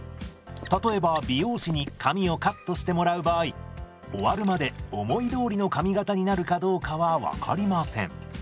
例えば美容師に髪をカットしてもらう場合終わるまで思いどおりの髪形になるかどうかは分かりません。